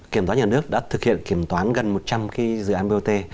kiểm toán nhà nước đã thực hiện kiểm toán gần một trăm linh dự án bot